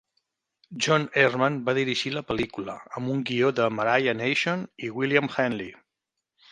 John Erman va dirigir la pel·lícula, amb un guió de Maria Nation i William Hanley.